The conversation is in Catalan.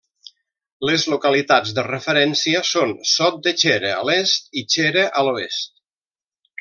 Les localitats de referència són Sot de Xera a l'est i Xera a l'oest.